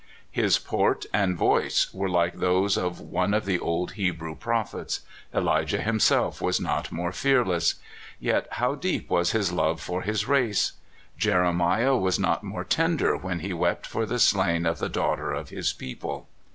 His port and voice were like those of one of the old Hebrew prophets. Elijah him self was not more fearless. Yet, how deep was his love for his race! Jeremiah was not more tender when he wept for the slain of the daughter of his people.